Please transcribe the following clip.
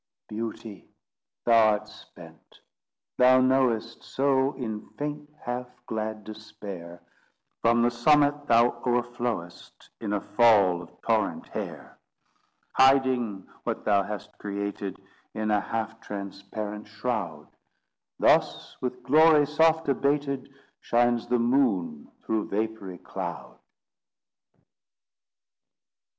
Beauty, thou art spent, thou knowest So, in faint, half glad despair, From the summit thou o'erflowest In a fall of torrent hair; Hiding what thou hast created In a half transparent shroud: Thus, with glory soft abated, Shines the moon through vapoury cloud.